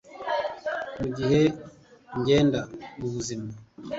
mugihe ngenda mubuzima